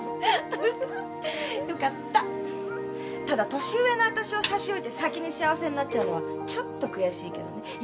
ただ年上の私を差し置いて先に幸せになっちゃうのはちょっと悔しいけどね。